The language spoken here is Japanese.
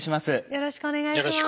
よろしくお願いします。